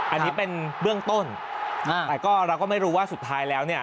อันนี้เป็นเบื้องต้นแต่ก็เราก็ไม่รู้ว่าสุดท้ายแล้วเนี่ย